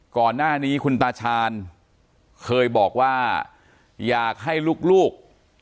ก่อนหน้านี้คุณตาชาญเคยบอกว่าอยากให้ลูก